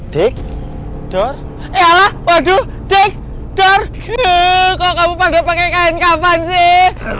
dek door eh waduh dek door kok kamu pada pakai kain kapan sih